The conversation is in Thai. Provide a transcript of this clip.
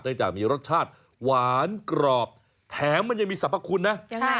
เนื่องจากมีรสชาติหวานกรอบแถมมันยังมีสรรพคุณนะ